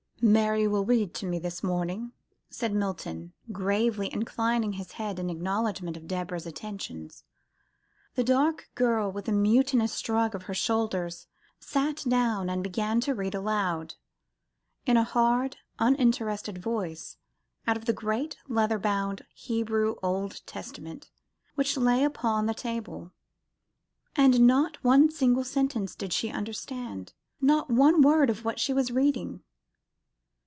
"Mary will read to me this morning," said Milton, gravely inclining his head in acknowledgment of Deborah's attentions. The dark girl, with a mutinous shrug of her shoulders, sat down and began to read aloud, in a hard, uninterested voice, out of the great leather bound Hebrew Old Testament which lay upon the table. And not one single sentence did she understand not one word of what she was reading.